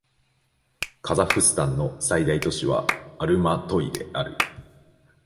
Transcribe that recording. カザフスタンの最大都市はアルマトイである